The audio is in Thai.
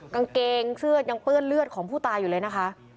กางเกงเสื้อยังเปื้อนเลือดของผู้ตายอยู่เลยนะคะ